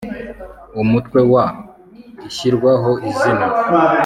UMUTWE WA I ISHIRWAHO IZINA